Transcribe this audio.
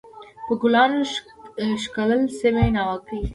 په ګلانو ښکلل سوې ناوکۍ